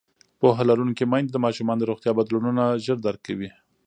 پوهه لرونکې میندې د ماشومانو د روغتیا بدلونونه ژر درک کوي.